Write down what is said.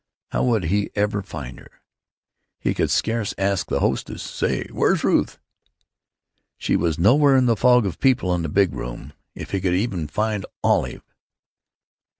How would he ever find her? He could scarce ask the hostess, "Say, where's Ruth?" She was nowhere in the fog of people in the big room.... If he could find even Olive....